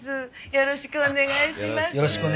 よろしくお願いします。